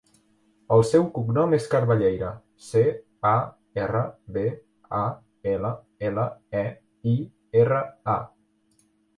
El seu cognom és Carballeira: ce, a, erra, be, a, ela, ela, e, i, erra, a.